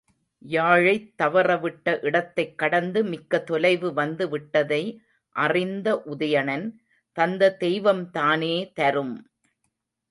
யாழைத் தவறவிட்ட இடத்தைக் கடந்து மிக்க தொலைவு வந்து விட்டதை அறிந்த உதயணன், தந்த தெய்வம்தானே தரும்!